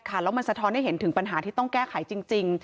แล้วมันสะท้อนให้เห็นถึงปัญหาที่ต้องแก้ไขจริง